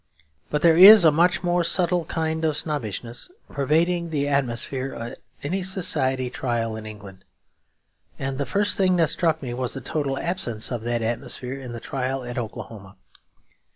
But there is a much more subtle kind of snobbishness pervading the atmosphere of any society trial in England. And the first thing that struck me was the total absence of that atmosphere in the trial at Oklahoma.